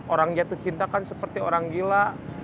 orang jatuh cinta kan seperti orang gila